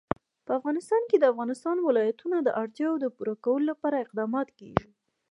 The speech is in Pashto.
په افغانستان کې د د افغانستان ولايتونه د اړتیاوو پوره کولو لپاره اقدامات کېږي.